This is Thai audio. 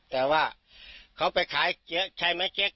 แต่ว่าเขาไปขายใช่ไหมเจ๊ก